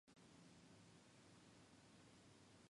Ik wol leaver in publike omrop sonder reklame.